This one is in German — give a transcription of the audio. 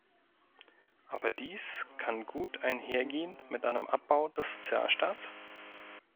Aber dies kann gut einhergehen mit einem Abbau des Sozialstaats?